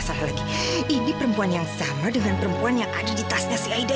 sampai jumpa di video selanjutnya